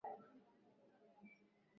mchakato kupata haki kwa walengwa